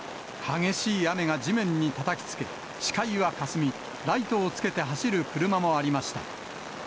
激しい雨が地面にたたきつけ、視界はかすみ、ライトをつけて走る車もありました。